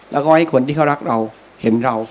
แล้วก็ให้คนที่เขารักเราเห็นเรา